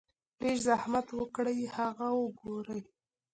لږ زحمت اوکړئ هغه اوګورئ -